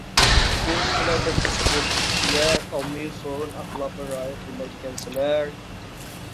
ئۇ سىلەر بەك ئۇچۇق بولۇپ كېتىپسىلەر، ئاممىۋى سورۇن ئەخلاقىغا رىئايە قىلمايدىكەنسىلەر، دېدى.